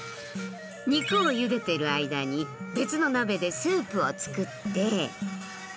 肉をゆでている間に別の鍋でスープを作って。